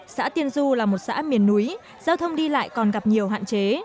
xã tiên du là một xã miền núi giao thông đi lại còn gặp nhiều hạn chế